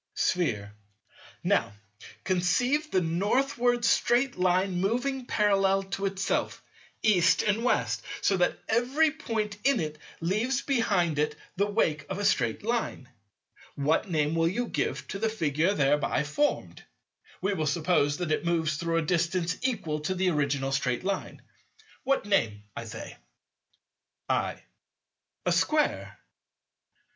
Sphere. Now conceive the Northward straight Line moving parallel to itself, East and West, so that every point in it leaves behind it the wake of a straight Line. What name will you give to the Figure thereby formed? We will suppose that it moves through a distance equal to the original straight line. —What name, I say? I. A square.